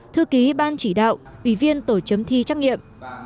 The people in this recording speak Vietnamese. thư ký ban chỉ đạo ủy viên tổ chấm thi trắc nghiệm